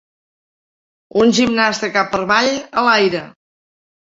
Un gimnasta cap per avall a l'aire.